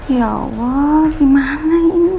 ya allah gimana ini